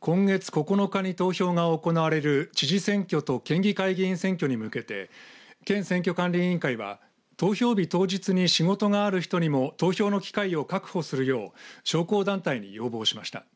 今月９日に投票が行われる知事選挙と県議会議員選挙に向けて県選挙管理委員会は投票日当日に仕事がある人にも投票の機会を確保するよう商工団体に要望しました。